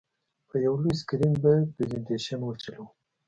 په یو لوی سکرین به یې پرزینټېشن وچلوو.